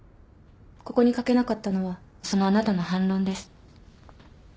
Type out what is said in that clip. ここに書けなかったのはそのあなたの反論です。